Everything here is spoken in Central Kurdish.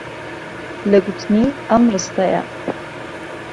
له گوتنی ئهم رستهیه